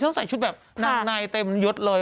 ต้องใส่ชุดแบบนับในเต็มยดเลย